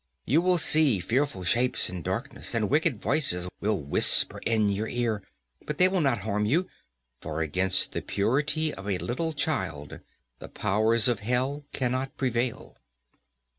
You will see fearful shapes in darkness, and wicked voices will whisper in your ear, but they will not harm you, for against the purity of a little child the powers of Hell cannot prevail."